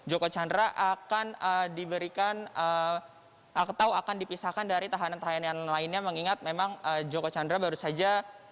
joko chandra akan diberikan atau akan dipisahkan dari tahanan tahanan lainnya mengingat memang joko chandra baru saja